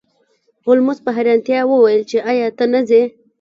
هولمز په حیرانتیا وویل چې ایا ته نه ځې